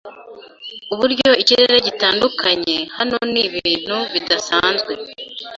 uburyo ikirere gitandukanye hano nibintu bidasanzwe